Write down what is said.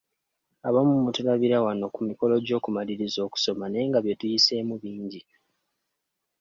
Abamu mutulabira wano ku mikolo gy'okumaliriza okusoma naye nga bye tuyiseemu bingi.